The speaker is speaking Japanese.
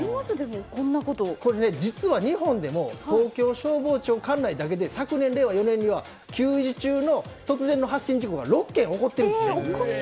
これ、日本でも東京消防庁管内だけで昨年では給油中の突然の発進事故が６件起こっているんですよ。